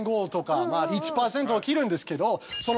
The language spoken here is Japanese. ０．５とか１％切るんですけど。